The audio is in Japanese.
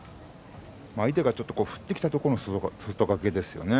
相手がちょっと振ってきたところの外掛けですね。